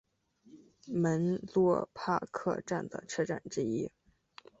门洛帕克站的车站之一。